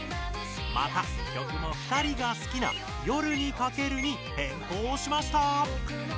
また曲も２人が好きな「夜に駆ける」にへんこうしました！